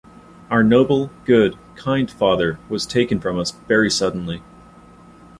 Our noble, good, kind Father was taken from us very suddenly.